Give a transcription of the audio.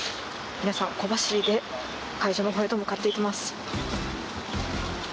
皆さん、小走りで会場のほうへと向かっていきます。